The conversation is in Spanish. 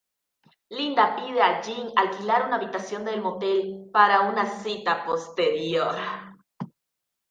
Linda pide a Jim alquilar una habitación de motel para una cita posterior.